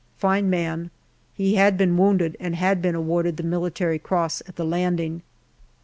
Fine man ; he had been wounded, and had been awarded the Military Cross, at the landing.